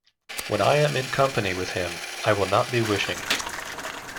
When I am in company with him, I will not be wishing.